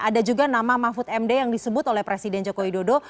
ada juga nama mahfud md yang disebut oleh presiden joko widodo